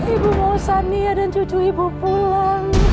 ibu mau sania dan cucu ibu pulang